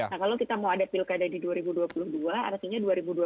nah kalau kita mau ada pilkada di dua ribu dua puluh dua artinya dua ribu dua puluh